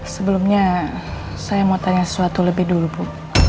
sebelumnya saya mau tanya sesuatu lebih dulu bu